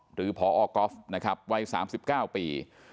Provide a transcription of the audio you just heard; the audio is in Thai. หรือพอก๊อฟนะครับวัย๓๙ปี